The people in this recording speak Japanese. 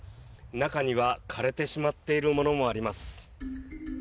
中には枯れてしまっているものもあります。